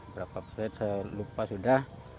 berapa pesawat saya lupa sudah